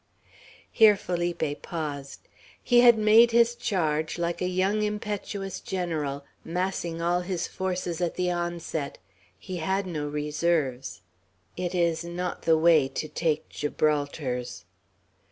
Here Felipe paused. He had made his charge; like a young impetuous general, massing all his forces at the onset; he had no reserves. It is not the way to take Gibraltars.